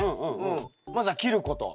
まずは切ること。